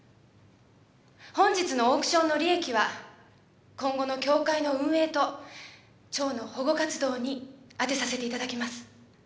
本日のオークションの利益は今後の協会の運営と蝶の保護活動に充てさせて頂きます。